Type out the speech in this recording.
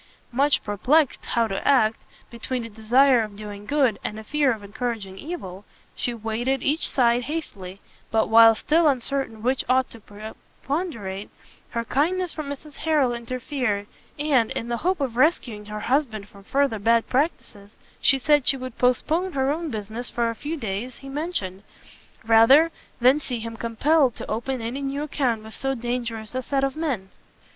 Much perplext how to act, between a desire of doing good, and a fear of encouraging evil, she weighed each side hastily, but while still uncertain which ought to preponderate, her kindness for Mrs. Harrel interfered, and, in the hope of rescuing her husband from further bad practices, she said she would postpone her own business for the few days he mentioned, rather than see him compelled to open any new account with so dangerous a set of men.